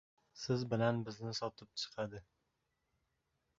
Siz bilan bizni sotib chiqadi!